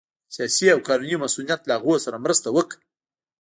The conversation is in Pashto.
سیاسي او قانوني مصونیت له هغوی سره مرسته وکړه